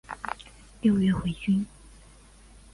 六月回军。